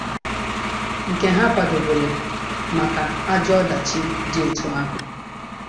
nke ha kwàdobere maka ajọ ọdachi dị etu ahụ.